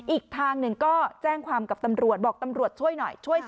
อีกทางหนึ่งก็แจ้งความกับตำรวจ